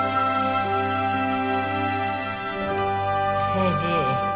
誠治